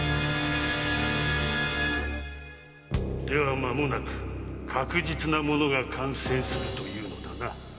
ではまもなく確実なものが完成するというのだな。